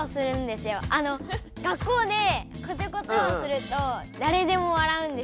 学校でこちょこちょをするとだれでもわらうんですよ。